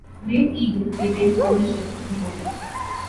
Great Eagle retains ownership of the hotel.